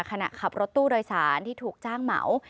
ขณะขับรถตู้โดยสารที่ถูกจ้างเหมา